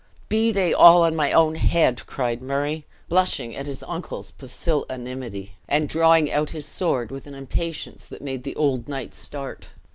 "Be they all on my own head!" cried Murray, blushing at his uncle's pusillanimity, and drawing out his sword with an impatience that made the old knight start.